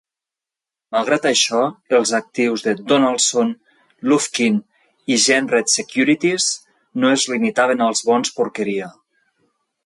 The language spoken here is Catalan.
Malgrat això, els actius de Donaldson, Lufkin i Jenrette Securities, no es limitaven als bons porqueria.